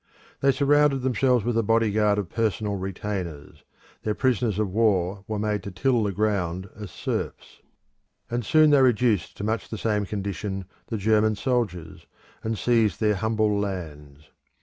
They surrounded themselves with a bodyguard of personal retainers; their prisoners of war were made to till the ground as serfs. And soon they reduced to much the same condition the German soldiers, and seized their humble lands.